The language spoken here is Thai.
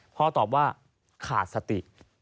พ่อตอบว่าขาดสติ